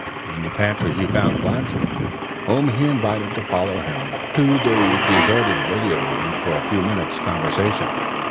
In the pantry he found Blanston, whom he invited to follow him to the deserted billiard room for a few minutes' conversation.